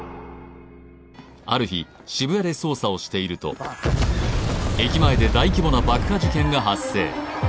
ある日渋谷で捜査をしていると駅前で大規模な爆破事件が発生